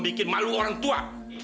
bikin malu orang tua